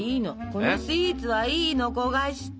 このスイーツはいいの焦がして。